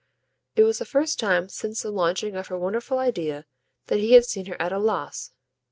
It was the first time since the launching of her wonderful idea that he had seen her at a loss.